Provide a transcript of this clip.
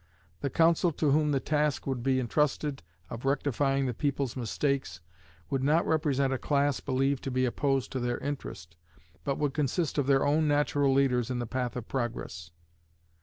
The council to whom the task would be intrusted of rectifying the people's mistakes would not represent a class believed to be opposed to their interest, but would consist of their own natural leaders in the path of progress.